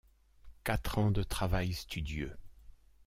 Quatre ans de travail studieux.